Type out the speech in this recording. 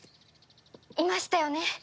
いましたよね。